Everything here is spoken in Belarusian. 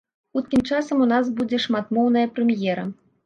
Хуткім часам у нас будзе шматмоўная прэм'ера.